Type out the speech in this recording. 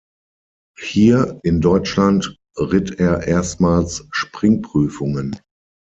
Hier, in Deutschland, ritt er erstmals Springprüfungen.